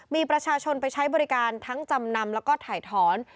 มีประชาชนไปใช้บริการทั้งจำนำแล้วก็ถ่ายถอน